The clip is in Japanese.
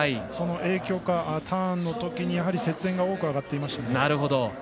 その影響かターンのときに雪煙が多く上がっていました。